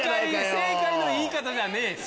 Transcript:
正解の言い方じゃねえ！